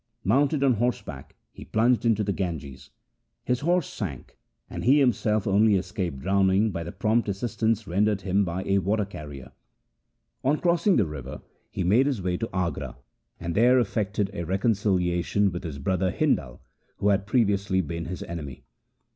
Mounted on horseback he plunged into the Ganges ; his horse sank, and he himself only escaped drowning by the prompt assistance rendered him by a water carrier. On crossing the river, he made his way to Agra, and there effected a reconciliation with his brother Hindal, who had previously been his enemy.